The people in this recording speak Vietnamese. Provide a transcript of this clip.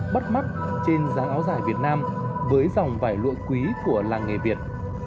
bắt mắt trên giá áo dài việt nam với dòng vải lụa quý của làng nghề việt